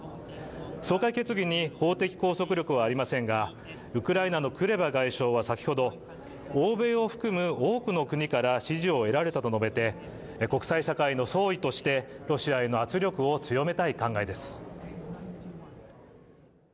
総会決議に法的拘束力はありませんが、ウクライナのクレバ外相は先ほど、欧米を含む多くの国から支持を得られたと述べて国際社会の総意としてロシアへの圧力を強めたい考えです。